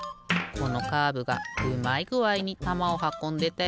このカーブがうまいぐあいにたまをはこんでたよね。